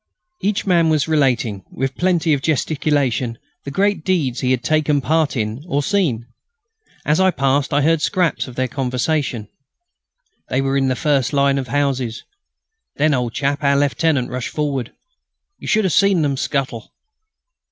Each man was relating, with plenty of gesticulation, the great deeds he had taken part in or seen. As I passed, I heard scraps of their conversation: "They were in the first line of houses.... Then, old chap, our lieutenant rushed forward.... You should have seen them scuttle...."